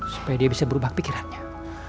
supaya dia bisa berubah pikirannya